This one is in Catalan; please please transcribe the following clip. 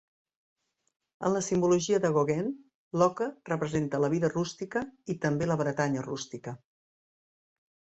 En la simbologia de Gauguin, l'oca representa la vida rústica i també la Bretanya rústica.